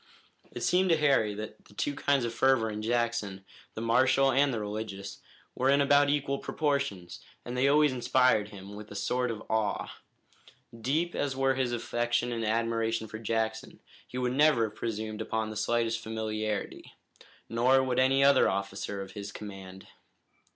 It seemed to Harry that the two kinds of fervor in Jackson, the martial and the religious, were in about equal proportions, and they always inspired him with a sort of awe. Deep as were his affection and admiration for Jackson, he would never have presumed upon the slightest familiarity. Nor would any other officer of his command.